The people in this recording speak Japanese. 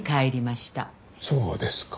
そうですか。